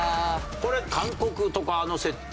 これ韓国とかの設定。